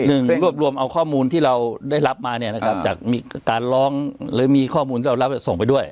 รวบรวมเอาข้อมูลที่เราได้รับมาเนี่ยนะครับจากมีการร้องหรือมีข้อมูลที่เรารับส่งไปด้วย